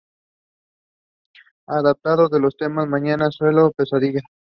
Adaptaron los temas "Mañana", "Sueño o pesadilla".